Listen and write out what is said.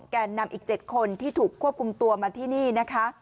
แก่นำอีก๗คนที่ถูกควบคุมตัวมาที่นี่นะคะ